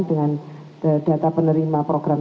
dengan data penerima program